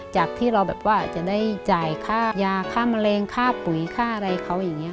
จากที่เราแบบว่าจะได้จ่ายค่ายาค่ามะเร็งค่าปุ๋ยค่าอะไรเขาอย่างนี้